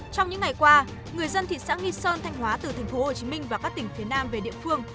trong những ngày qua người dân thị xã nghi sơn thanh hóa từ thành phố hồ chí minh và các tỉnh phía nam về địa phương